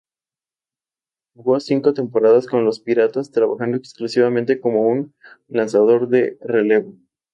Jugó cinco temporadas con los "Piratas", trabajando exclusivamente como un lanzador de relevo.